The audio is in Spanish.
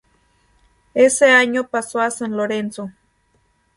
Ese año pasó a San Lorenzo.